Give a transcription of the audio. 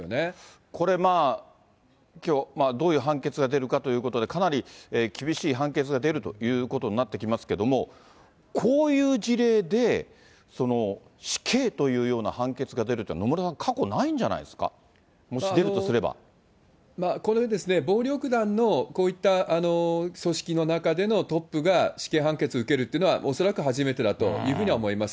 これまあ、きょう、どういう判決が出るかということで、かなり厳しい判決が出るということになってきますけれども、こういう事例で、死刑というような判決が出るというのは、野村さん、過去、ないんじゃないですか、もし出るこれ、暴力団のこういった組織の中でのトップが死刑判決受けるっていうのは、恐らく初めてだというふうには思います。